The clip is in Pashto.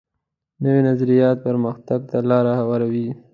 نوی نظریات پرمختګ ته لار هواروي